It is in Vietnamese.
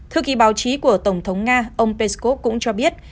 thư ký báo chí của tổng thống nga ông peskov cũng cho biết